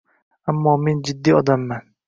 Ammo men jiddiy odamman.